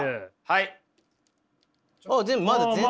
はい。